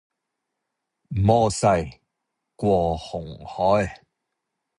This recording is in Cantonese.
摩西過紅海